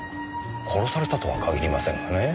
殺されたとは限りませんがね。